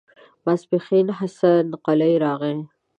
ماسپښين حسن قلي راغی.